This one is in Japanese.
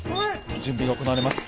準備が行われます。